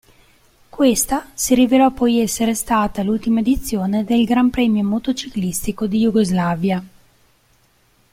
Questa si rivelò poi essere stata l'ultima edizione del Gran Premio motociclistico di Jugoslavia.